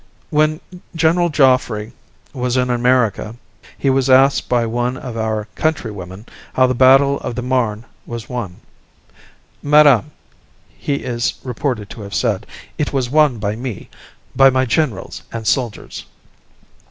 When General Joffre was in America he was asked by one of our countrywomen how the battle of the Marne was won. "Madame," he is reported to have said, "it was won by me, by my generals and soldiers."